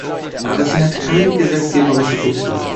Aber sie hat keine gesetzgeberische Funktion.